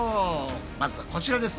まずはこちらです。